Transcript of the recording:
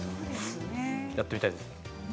やってみたいです。